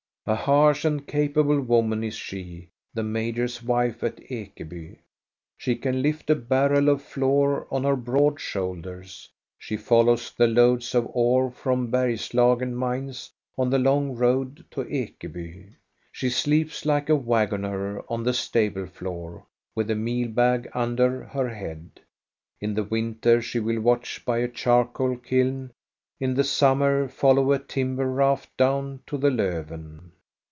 A harsh and capable woman is she, the major's wife at Ekeby. She can lift a barrel of flour on her broad shoulders. She follows the loads of ore from the Bergslagen mines, on the long road to Ekeby. CHRISTMAS EVE 43 She sleeps like a waggoner on the stable floor, with a meal bag under her head. In the winter she will watch by a charcoal kiln, tn the summer follow a timber raft down to the LCfven.